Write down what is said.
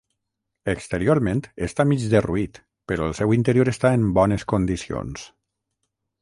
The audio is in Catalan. Exteriorment està mig derruït però el seu interior està en bones condicions.